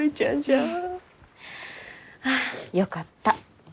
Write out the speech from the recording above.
ああよかった。